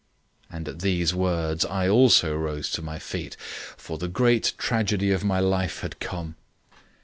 And at these words I also rose to my feet, for the great tragedy of my life had come.